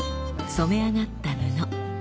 染め上がった布。